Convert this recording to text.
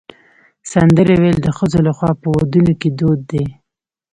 سندرې ویل د ښځو لخوا په ودونو کې دود دی.